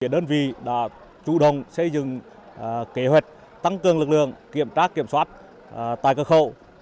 đơn vị đã chủ động xây dựng kế hoạch tăng cường lực lượng kiểm tra kiểm soát tại cơ khẩu